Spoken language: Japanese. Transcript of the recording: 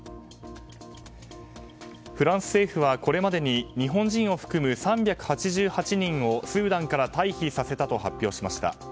フランス政府はこれまでに日本人を含む３８８人をスーダンから退避させたと発表しました。